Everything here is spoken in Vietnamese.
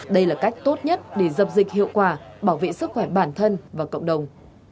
đây là cách tốt nhất để dập dịch hiệu quả bảo vệ sức khỏe bản thân và cộng đồng